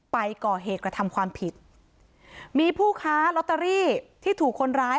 ไปก่อเหตุกระทำความผิดมีผู้ค้าลอตเตอรี่ที่ถูกคนร้าย